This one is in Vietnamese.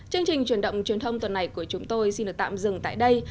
chương trình truyền động truyền thông tuần này của chúng tôi xin được tạm dừng tại đây